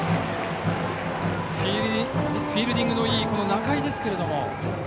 フィールディングのいい仲井ですけれども。